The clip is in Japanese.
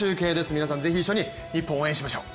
皆さんぜひ一緒に日本を応援しましょう。